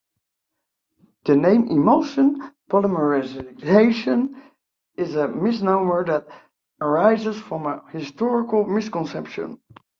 The name "emulsion polymerization" is a misnomer that arises from a historical misconception.